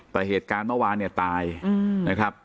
แต่เหตุการณ์เมื่อวานเนี่ยตายนะครับ